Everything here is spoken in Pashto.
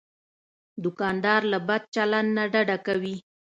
دوکاندار له بد چلند نه ډډه کوي.